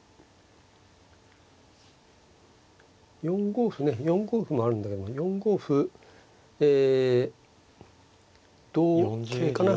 ４五歩ね４五歩もあるんだけど４五歩え同桂かな。